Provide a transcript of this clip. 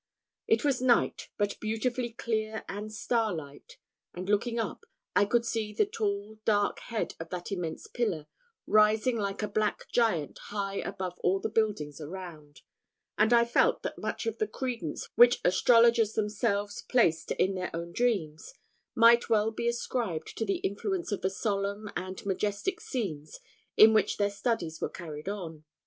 It was night, but beautifully clear and starlight; and, looking up, I could see the tall dark head of that immense pillar, rising like a black giant high above all the buildings around, and I felt that much of the credence which astrologers themselves placed in their own dreams, might well be ascribed to the influence of the solemn and majestic scenes in which their studies were carried on.